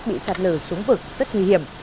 bị sạt lở xuống vực rất nguy hiểm